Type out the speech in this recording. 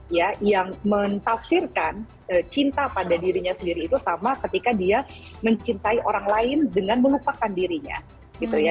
ya yang mentafsirkan cinta pada dirinya sendiri itu sama ketika dia mencintai orang lain dengan melupakan dirinya gitu ya